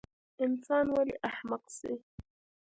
انسان ولۍ احمق سي؟